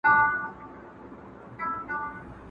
هر څوک د خپل ژوند د ارام حق لري.